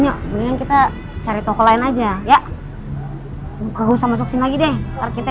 nyok mungkin kita cari toko lain aja ya bukan usah masuk sini lagi deh ntar kita